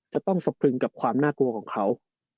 จะต้องสบคลึงกับความน่ากลัวของเขา